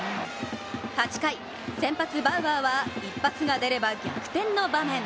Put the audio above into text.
８回、先発バウアーは、一発が出れば逆転の場面。